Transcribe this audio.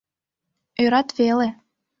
Ӧрат веле.